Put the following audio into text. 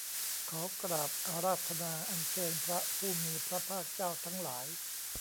ขอกราบอาราธนาอัญเชิญพระผู้มีพระภาคเจ้าทั้งหลาย